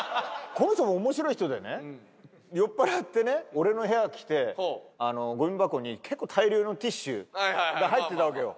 この人も面白い人でね酔っ払ってね俺の部屋来てゴミ箱に結構大量のティッシュが入ってたわけよ。